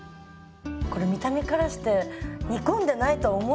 これ見た目からして煮込んでないとは思えないですよね。